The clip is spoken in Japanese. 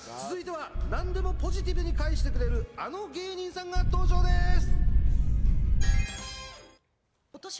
続いては何でもポジティブに返してくれるあの芸人さんが登場です。